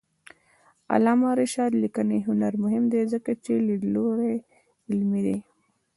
د علامه رشاد لیکنی هنر مهم دی ځکه چې لیدلوری علمي دی.